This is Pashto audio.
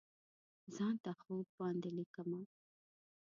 ځان ته خوب باندې لیکمه